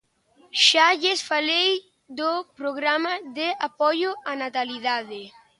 Xa lles falei do Programa de apoio á natalidade.